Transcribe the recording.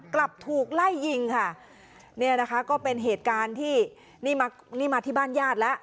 กลับถูกไล่ยิงค่ะเนี่ยนะคะก็เป็นเหตุการณ์ที่นี่มานี่มาที่บ้านญาติแล้ว